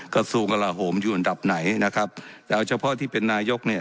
กระทรวงกระลาโหมอยู่อันดับไหนนะครับเอาเฉพาะที่เป็นนายกเนี่ย